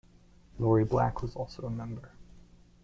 Lori Black was also a member.